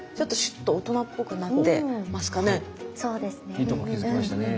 いいとこ気付きましたね。